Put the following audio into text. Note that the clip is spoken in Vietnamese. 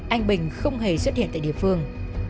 anh bình không hề xuất hiện tại địa phương